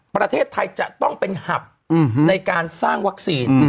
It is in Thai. ประเทศไทยจะต้องเป็นหับในการสร้างวัคซีน